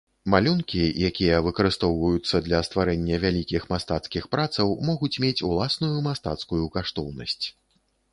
Малюнкі, якія выкарыстоўваюцца для стварэння вялікіх мастацкіх працаў, могуць мець уласную мастацкую каштоўнасць.